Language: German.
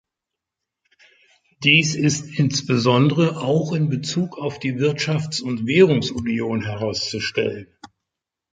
Dies ist insbesondere auch in bezug auf die Wirtschafts- und Währungsunion herauszustellen.